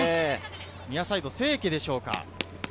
ニアサイド、清家でしょうか？